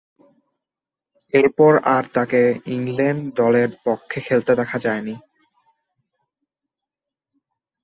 এরপর আর তাকে ইংল্যান্ড দলের পক্ষে খেলতে দেখা যায়নি।